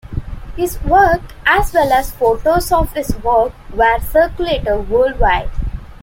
His work as well as photos of his work were circulated world wide.